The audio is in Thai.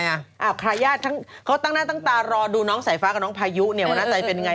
ทายาทเขาตั้งหน้าตั้งตารอดูน้องสายฟ้ากับน้องพายุวันนั้นเป็นไง